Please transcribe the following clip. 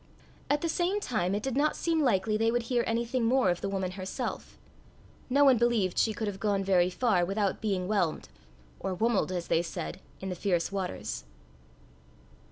At the same time it did not seem likely they would hear anything more of the woman herself: no one believed she could have gone very far without being whelmed, or whumled as they said, in the fierce waters.